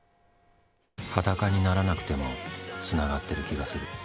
裸にならなくてもつながってる気がする。